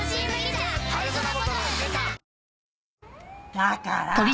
だから！